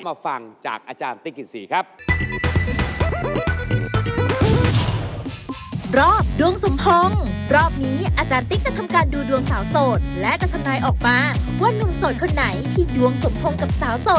มาฟังจากอาจารย์ติ๊กกิศรีครับ